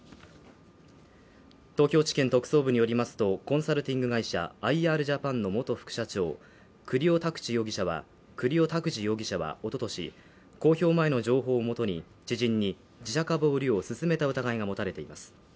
東京地検特捜部によりますと、コンサルティング会社、アイ・アールジャパンの元副社長、栗尾拓滋容疑者はおとし、公表前の情報を基に知人に自社株を売るよう勧めた疑いが持たれています。